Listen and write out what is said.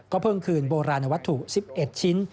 เพิ่งคืนโบราณวัตถุ๑๑ชิ้น